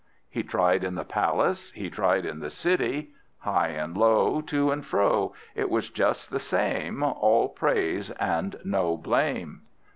He tried in the palace, he tried in the city; high and low, to and fro, it was just the same: all praise and no blame.